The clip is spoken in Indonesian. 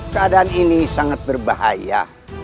keadaan ini sangat berbahaya